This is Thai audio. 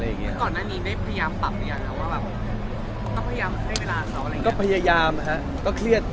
อ๋อน้องมีหลายคน